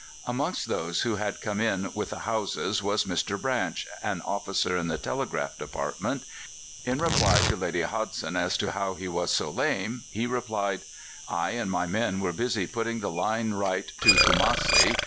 Amongst those who had come in with the Hausas was Mr. Branch, an officer in the telegraph department. In reply to Lady Hodgson as to how he was so lame, he replied: "I and my men were busy putting the line right to Kumassi.